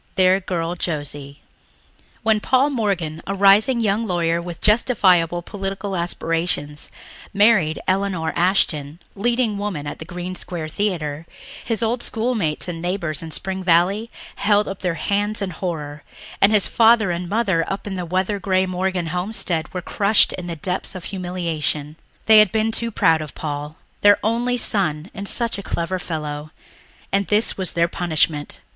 Their Girl Josie When Paul Morgan, a rising young lawyer with justifiable political aspirations, married Elinor Ashton, leading woman at the Green Square Theatre, his old schoolmates and neighbours back in Spring Valley held up their hands in horror, and his father and mother up in the weather grey Morgan homestead were crushed in the depths of humiliation. They had been too proud of Paul ... their only son and such a clever fellow ... and this was their punishment!